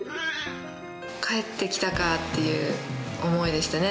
帰ってきたかっていう思いでしたね。